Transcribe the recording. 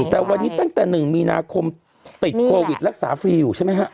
แต่วันนี้ตั้งแต่๑มีนาคมติดโควิดรักษาฟรีอยู่ใช่ไหมฮะ